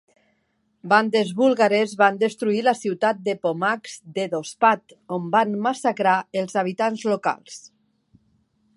Bandes búlgares van destruir la ciutat de pomacs de Dospat on van massacrar els habitants locals.